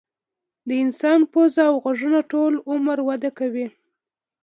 د انسان پوزه او غوږونه ټول عمر وده کوي.